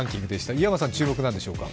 湯山さん、注目なんでしょうか。